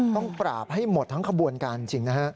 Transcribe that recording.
ต้องปราบให้หมดทั้งขบวนการจริงนะฮะ